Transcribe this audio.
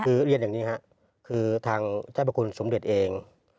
คือเรียนอย่างนี้ครับคือทางเจ้าพระคุณสมเด็จเอง